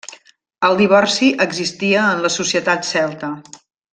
El divorci existia en la societat celta.